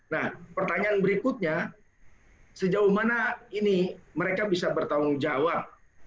nah pertanyaan berikutnya sejauh mana ini mereka bisa bertanggung jawab